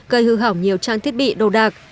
gây hư hỏng nhiều trang thiết bị đồ đạc